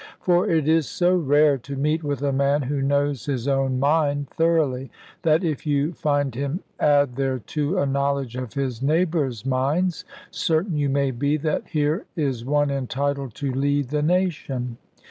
For it is so rare to meet with a man who knows his own mind thoroughly, that if you find him add thereto a knowledge of his neighbours' minds, certain you may be that here is one entitled to lead the nation.